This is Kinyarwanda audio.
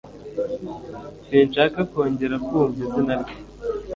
Sinshaka kongera kumva izina rye.